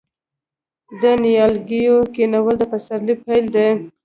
د نیالګیو کینول د پسرلي پیل دی.